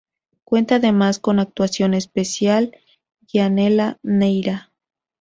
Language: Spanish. Cuenta además con actuación especial Gianella Neyra.